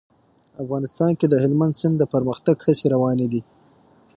افغانستان کې د هلمند سیند د پرمختګ هڅې روانې دي.